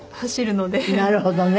なるほどね。